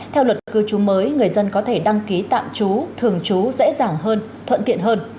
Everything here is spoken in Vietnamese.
theo luật cư trú mới người dân có thể đăng ký tạm trú thường trú dễ dàng hơn thuận tiện hơn